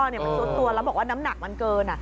มันซุดตัวแล้วบอกว่าน้ำหนักมันเกิน